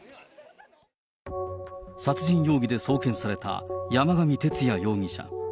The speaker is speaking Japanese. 殺人容疑で送検された山上徹也容疑者。